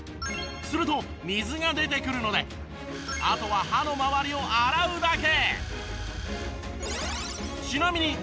すると水が出てくるのであとは歯の周りを洗うだけ。